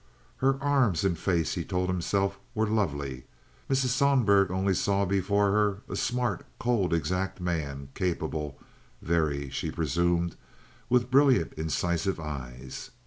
Her arms and face, he told himself, were lovely. Mrs. Sohlberg only saw before her a smart, cold, exact man—capable, very, she presumed—with brilliant, incisive eyes.